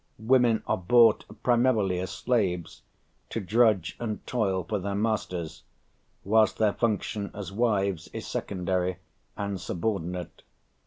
Women are bought primarily as slaves, to drudge and toil for their masters, whilst their function as wives is secondary and subordinate.